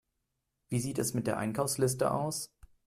Wie sieht es mit der Einkaufsliste aus?